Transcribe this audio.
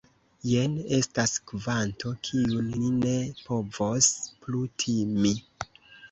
Jen estas kvanto, kiun ni ne povos plu timi.